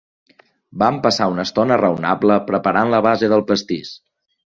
Vam passar una estona raonable preparant la base del pastís.